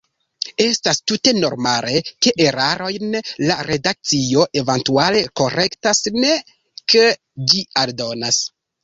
Estas tute normale, ke erarojn la redakcio eventuale korektas, ne ke ĝi aldonas.